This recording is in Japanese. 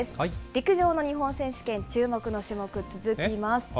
陸上の日本選手権、注目の種目、続きます。